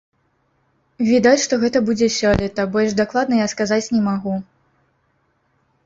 Відаць, што гэта будзе сёлета, больш дакладна я сказаць не магу.